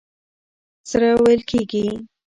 سره وېل کېږي.